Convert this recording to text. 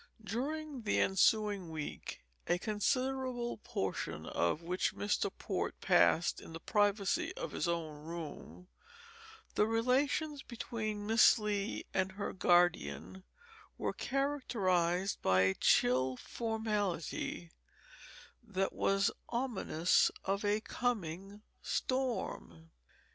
IX. During the ensuing week, a considerable portion of which Mr. Port passed in the privacy of his own room, the relations between Miss Lee and her guardian were characterized by a chill formality that was ominous of a coming storm.